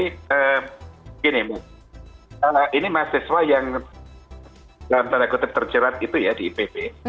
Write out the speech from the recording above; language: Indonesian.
begini ini mahasiswa yang dalam tanda kutip terjerat itu ya di ipb